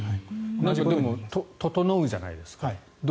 でもととのうじゃないですか。